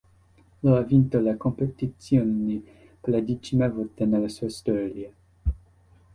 Lo ha vinto la competizione per la decima volta nella sua storia.